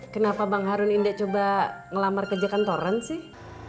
kenapa bang harun indek coba ngelamar kerja kantoran sih